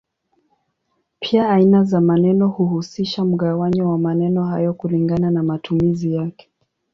Pia aina za maneno huhusisha mgawanyo wa maneno hayo kulingana na matumizi yake.